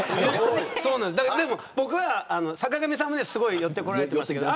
僕は坂上さんにも寄ってこられてましたけど。